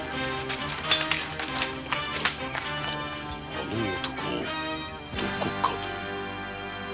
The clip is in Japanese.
あの男どこかで？